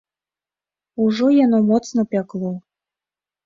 Ужо яно моцна пякло.